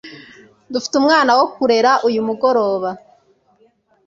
Dufite umwana wo kurera uyu mugoroba?